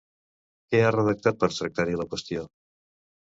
Què ha redactat per tractar-hi la qüestió?